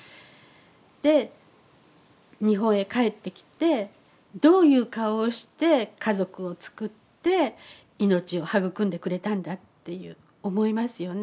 で日本へ帰ってきてどういう顔をして家族をつくって命を育んでくれたんだっていう思いますよね。